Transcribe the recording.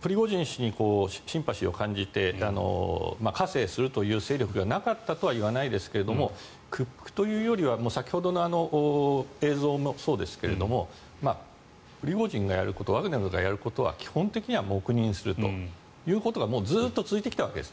プリゴジン氏にシンパシーを感じて加勢するという勢力がなかったとは言わないですが屈服というよりは先ほどの映像もそうですがプリゴジンがやることワグネルがやることは基本的には黙認するということがずっと続いてきたわけですね。